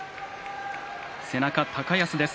背中、高安です。